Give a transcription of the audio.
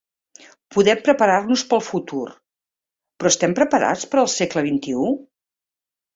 Podem preparar-nos per al futur, però estem preparats per al segle XXI?